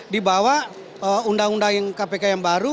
di bawah undang undang kpk yang baru